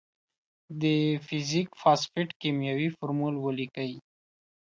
د فیریک فاسفیټ کیمیاوي فورمول ولیکئ.